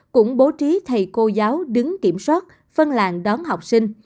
cũng bố trí thầy cô giáo đứng kiểm soát phân làng đón học sinh